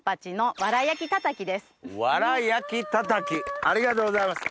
わら焼きたたきありがとうございます！